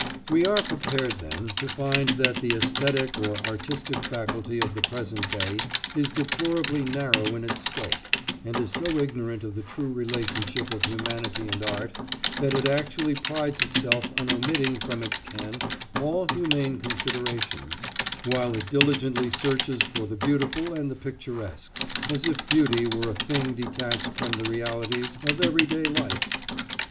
We are prepared, then, to find that the æsthetic or artistic faculty of the present day is deplorably narrow in its scope, and is so ignorant of the true relationship of humanity and art that it actually prides itself on omitting from its ken all humane considerations, while it diligently searches for the beautiful and the picturesque, as if beauty were a thing detached from the realities of every day life!